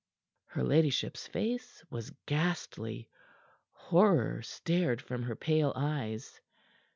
Her ladyship's face was ghastly. Horror stared from her pale eyes.